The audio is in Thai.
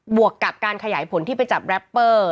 วกกับการขยายผลที่ไปจับแรปเปอร์